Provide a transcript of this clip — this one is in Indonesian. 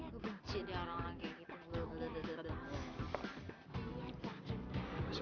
gue benci dia orang lagi gitu